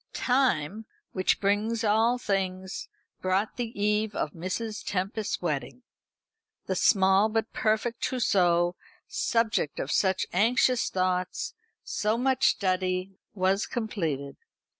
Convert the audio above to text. Time, which brings all things, brought the eve of Mrs. Tempest's wedding. The small but perfect trousseau, subject of such anxious thoughts, so much study, was completed.